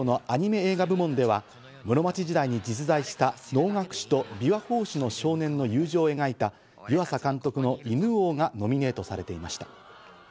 映画部門では室町時代に実在した能楽師と琵琶法師の少年の友情を描いた湯浅監督の『犬王』がノミネートされていました。